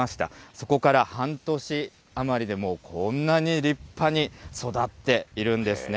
そこから半年余りで、もうこんなに立派に育っているんですね。